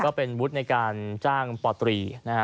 ก็เป็นหุ้นในการจ้างป่อตรีนะ